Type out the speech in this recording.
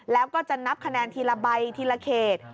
แล้วก็จะนับคะแนนทีละใบทีละเขต